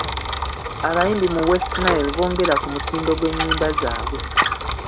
Abayimbi mu West Nile boongera ku mutindo gw'ennyimba zaabwe.